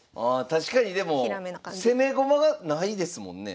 確かにでも攻め駒がないですもんね。